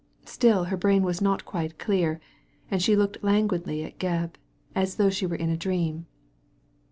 Still her brain was not quite clear, and she looked languidly at Gebb, as though she were in a dream.